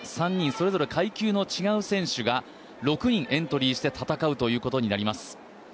それぞれ階級の違う選手が６人エントリーして戦うということになります。